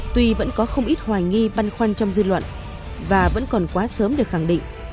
tuy vẫn có không ít hoài nghi băn khoăn trong dư luận và vẫn còn quá sớm để khẳng định